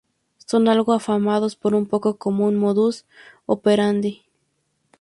Son algo afamados por su poco común "modus operandi".